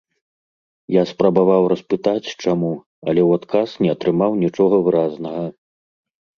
Я спрабаваў распытаць, чаму, але ў адказ не атрымаў нічога выразнага.